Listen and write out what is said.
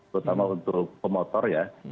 terutama untuk pemotor ya